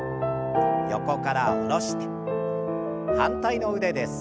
横から下ろして反対の腕です。